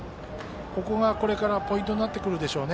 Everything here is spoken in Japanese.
ここがこれからポイントになってくるでしょうね。